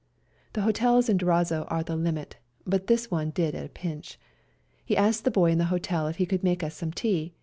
The hotels in Durazzo are the limit, but this one did at a pinch. He asked the boy in the hotel if he could make us some tea.